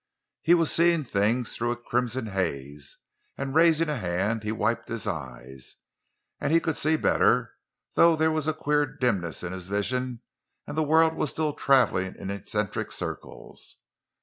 He was seeing things through a crimson haze, and raising a hand, he wiped his eyes—and could see better, though there was a queer dimness in his vision and the world was still traveling in eccentric circles.